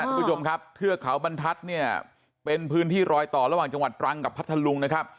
ทุกผู้ชมครับเทือกเขาบรรทัศน์เนี่ยเป็นพื้นที่รอยต่อระหว่างจังหวัดตรังกับพัทธลุงนะครับ